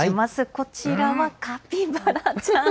こちらはカピバラちゃん。